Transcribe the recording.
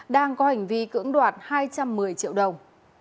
đang có hành vi cưỡng đoạt hai trăm một mươi triệu đồng